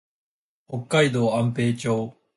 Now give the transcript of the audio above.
北海道安平町